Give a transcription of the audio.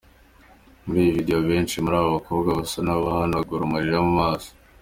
Muri iyo video benshi muri abo bakobwa basa n’abihanagura amarira mu maso.